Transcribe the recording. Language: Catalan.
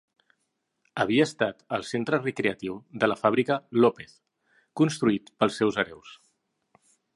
Havia estat el centre recreatiu de la fàbrica López, construït pels seus hereus.